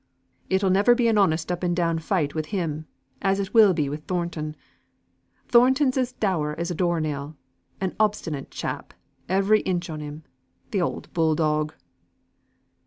It'll never be an honest up and down fight wi' him, as it will be wi' Thornton. Thornton's as dour as a door nail; an obstinate chap, every inch on him, th' oud bulldog!"